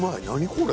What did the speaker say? これ！